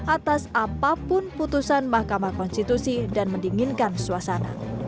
atas apapun putusan mahkamah konstitusi dan mendinginkan suasana